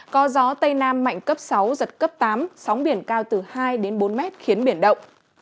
có gió tây nam mạnh cấp sáu giật cấp tám sóng biển cao từ hai đến bốn mét khiến biển động